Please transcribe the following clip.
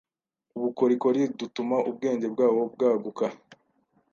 ubukorikori dutuma ubwenge bwabo bwaguka.